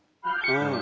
うん。